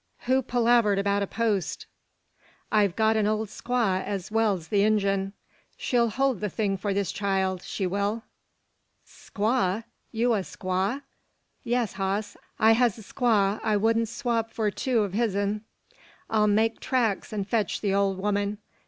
Who palavered about a post? I've got an ole squaw as well's the Injun. She'll hold the thing for this child she will." "Squaw! You a squaw?" "Yes, hoss; I has a squaw I wudn't swop for two o' his'n. I'll make tracks an' fetch the old 'oman.